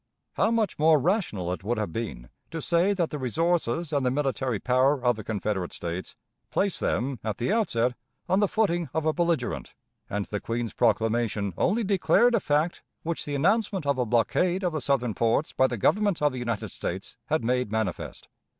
How much more rational it would have been, to say that the resources and the military power of the Confederate States placed them, at the outset, on the footing of a belligerent, and the Queen's proclamation only declared a fact which the announcement of a blockade of the Southern ports by the Government of the United States had made manifest!